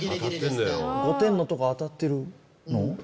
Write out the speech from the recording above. ５点のとこ当たってるの？